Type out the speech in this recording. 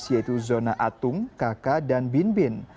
yaitu zona atung kk dan binbin